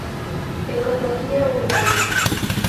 Ecología Urbana.